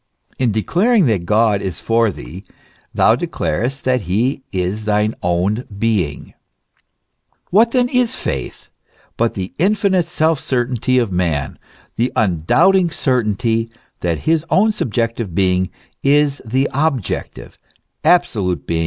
In declaring that God is for thee, thou declares! that he is thy own being. What then is faith but the infinite self certainty of man, the undoubting certainty that his own subjective being is the objective, absolute being, the being of beings?